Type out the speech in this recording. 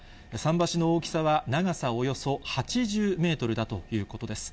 桟橋の大きさは長さおよそ８０メートルだということです。